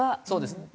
そうです。